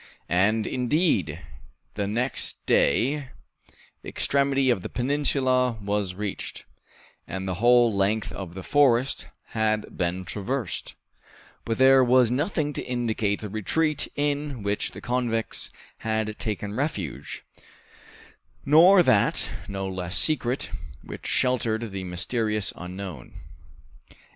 And indeed, the next day the extremity of the peninsula was reached, and the whole length of the forest had been traversed; but there was nothing to indicate the retreat in which the convicts had taken refuge, nor that, no less secret, which sheltered the mysterious unknown.